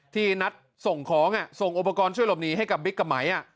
ที่นัดส่งของส่งอุปกรณ์ช่วยหลบหนีให้กับบิ๊กกับไหม